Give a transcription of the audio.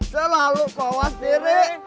selalu mawas diri